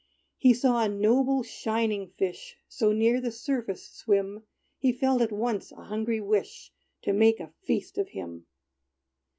He saw a noble, shining fish So near the surface swim, He felt at once a hungry wish To make a feast of him.